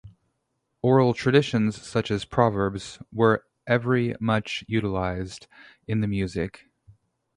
Oral traditions such as proverbs were every much utilized in the music.